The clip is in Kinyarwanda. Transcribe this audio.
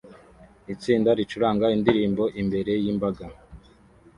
Itsinda ricuranga indirimbo imbere yimbaga